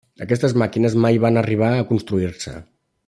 Aquestes màquines mai van arribar a construir-se.